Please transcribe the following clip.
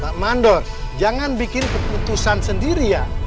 pak mandor jangan bikin keputusan sendiri ya